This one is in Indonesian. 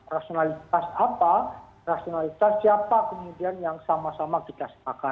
rasionalitas apa rasionalitas siapa kemudian yang sama sama kita sepakat